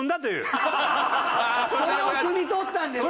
それをくみ取ったんです。